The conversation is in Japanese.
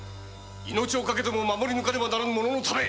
命を懸けても守り抜かねばならぬもののため。